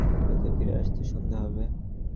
হয়তো ফিরে আসতে সন্ধ্যা হবে।